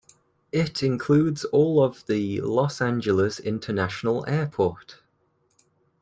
It includes all of the Los Angeles International Airport.